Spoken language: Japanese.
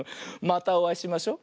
またおあいしましょ。